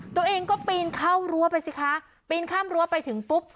ตัวเองก็ปีนเข้ารั้วไปสิคะปีนข้ามรั้วไปถึงปุ๊บ